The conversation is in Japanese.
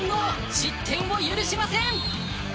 失点を許しません。